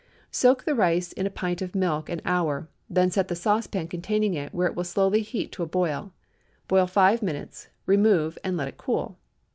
Soak the rice in a pint of the milk an hour, then set the saucepan containing it where it will slowly heat to a boil. Boil five minutes; remove and let it cool.